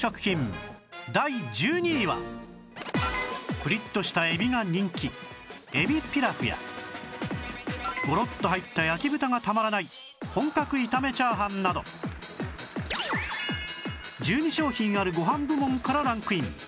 プリッとしたえびが人気えびピラフやゴロッと入った焼き豚がたまらない本格炒め炒飯など１２商品あるご飯部門からランクイン